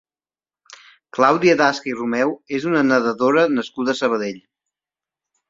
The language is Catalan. Clàudia Dasca i Romeu és una nedadora nascuda a Sabadell.